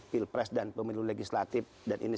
pilpres dan pemilu legislatif dan ini